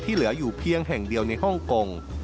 เหลืออยู่เพียงแห่งเดียวในฮ่องกง